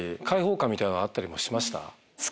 解放感みたいなのあったりもしました？